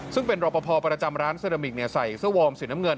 ซึ่งเป็นรอปภประจำร้านเซรามิกใส่เสื้อวอร์มสีน้ำเงิน